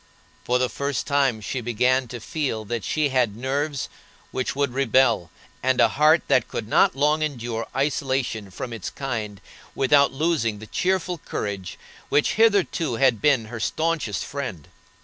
For the first time she began to feel that she had nerves which would rebel, and a heart that could not long endure isolation from its kind without losing the cheerful courage which hitherto had been her staunchest friend.